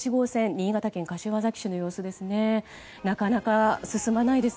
新潟県柏崎市の様子です。